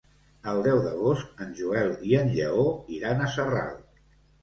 El deu d'agost en Joel i en Lleó iran a Sarral.